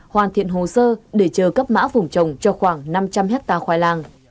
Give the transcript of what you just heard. hoàn thiện hồ sơ để chờ cấp mã vùng trồng cho khoảng năm trăm linh hectare khoai lang